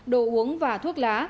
đồ uống và thuốc lá